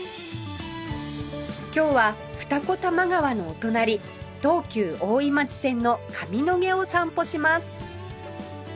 今日は二子玉川のお隣東急大井町線の上野毛を散歩します